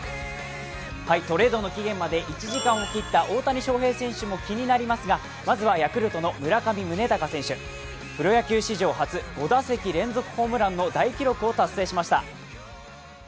トレードの期限まで１時間を切った大谷選手も気になりますがまずはヤクルトの村上宗隆選手、プロ野球史上初５打席連続ホームランの大記録を達成しました。